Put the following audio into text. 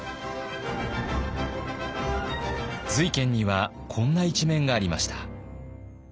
瑞賢にはこんな一面がありました。